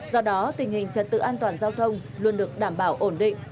do đó tình hình trật tự an toàn giao thông luôn được đảm bảo ổn định